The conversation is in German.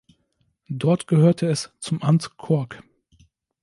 Dort gehörte es zum Amt Kork.